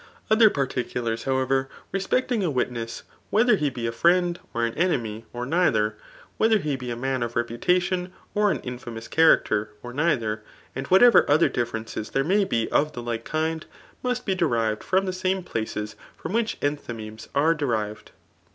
Other particulars, howevw, respectmg a wimess, whether he be a friend, or an enemy, or neither, whether he be a man of reputation, or an infemous character, or neither, and whatever other differ, ences there may be of the like kind, must be derived from the same places from which entfaymemes are de* rived.